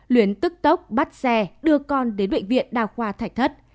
luyến tức tốc bắt xe đưa con đến bệnh viện đa khoa thạch thất